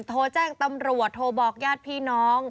โทรแจ้งตำรวจโทรบอกญาติพี่น้อง